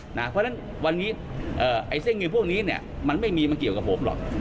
เพราะฉะนั้นวันนี้เส้นเงินพวกนี้มันไม่มีมันเกี่ยวกับผมหรอก